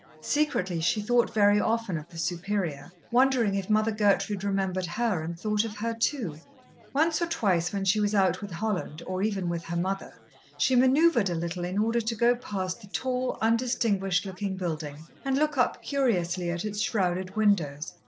Secretly she thought very often of the Superior, wondering if Mother Gertrude remembered her and thought of her too. Once or twice when she was out with Holland, or even with her mother, she manoeuvred a little in order to go past the tall, undistinguished looking building, and look up curiously at its shrouded windows.